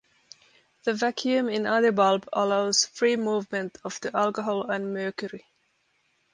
The vacuum in other bulb allows free movement of the alcohol and mercury.